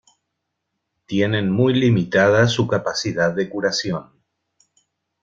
Tienen muy limitada su capacidad de curación.